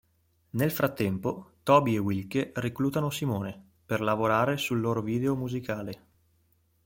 Nel frattempo, Toby e Wilke reclutano Simone per lavorare sul loro video musicale.